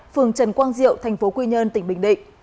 phường trần quang diệu tp quy nhơn tỉnh bình định